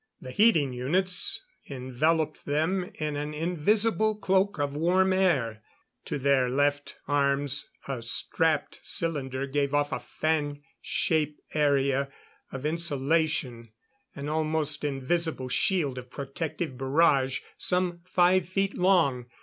The heating units enveloped them in an invisible cloak of warm air. To their left arms a strapped cylinder gave off a fan shape area of insulation an almost invisible shield of protective barrage some five feet long.